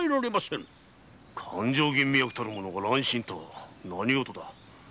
勘定吟味役たる者が乱心とは何事か。